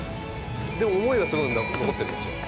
でも思いはすごい残ってるんですよ。